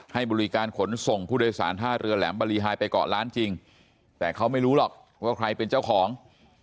ให้บริการขนส่งผู้โดยสารท่าเรือแหลมบรีไฮไปเกาะล้านจริงแต่เขาไม่รู้หรอกว่าใครเป็นเจ้าของ